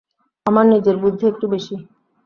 আমার নিজের বুদ্ধি একটু বেশি।